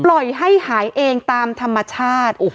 ปล่อยให้หายเองตามธรรมชาติ